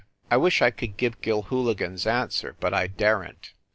I wish I could give Gilhooligan s answer, but I daren t.